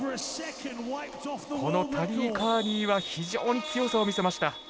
このタリー・カーニーは非常に強さを見せました。